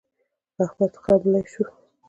احمد خملۍ شو.